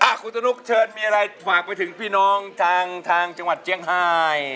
คุณตุ๊กเชิญมีอะไรฝากไปถึงพี่น้องทางทางจังหวัดเจียงไฮ